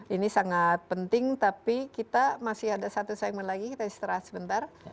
ini sangat penting tapi kita masih ada satu segmen lagi kita istirahat sebentar